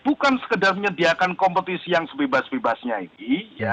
bukan sekedar menyediakan kompetisi yang sebebas bebasnya ini